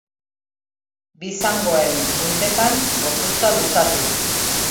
Bi zangoen puntetan gorputza luzatuz.